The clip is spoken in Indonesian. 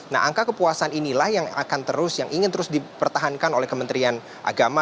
nah angka kepuasan inilah yang akan terus yang ingin terus dipertahankan oleh kementerian agama